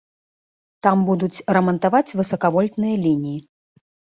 Там будуць рамантаваць высакавольтныя лініі.